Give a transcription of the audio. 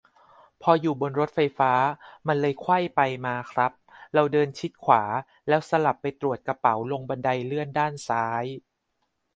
พออยู่บนรถไฟฟ้า มันเลยไขว้ไปมาครับ เราเดินชิดขวา แล้วสลับไปตรวจกระเป๋าลงบันไดเลื่อนด้านซ้าย